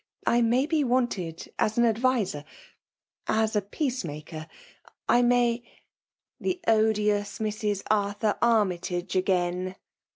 I may be wanted as an adviser*^ as a peace maker ;— I may —^"'" That odious Mrs. Arthur Armytag^ again!"